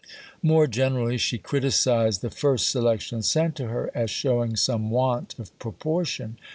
More generally, she criticized the first selection sent to her as showing some want of proportion.